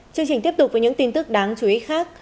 chương trình tiếp tục với những tin tức đáng chú ý khác